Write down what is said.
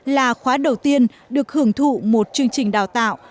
là khóa đầu tiên được hưởng thụ một chương trình đào tạo